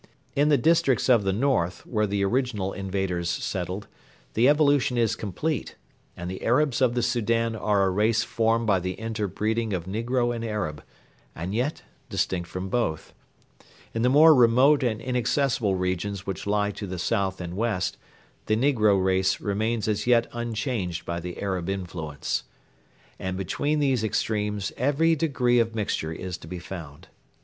In the districts of the north, where the original invaders settled, the evolution is complete, and the Arabs of the Soudan are a race formed by the interbreeding of negro and Arab, and yet distinct from both. In the more remote and inaccessible regions which lie to the south and west the negro race remains as yet unchanged by the Arab influence. And between these extremes every degree of mixture is to be found.